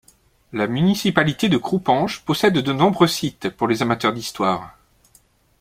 La municipalité de Krupanj possède de nombreux sites pour les amateurs d'histoire.